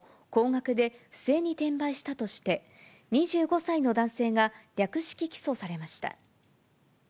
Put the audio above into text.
クラシックのチケットを高額で不正に転売したとして、２５歳の男性が略式起訴されました。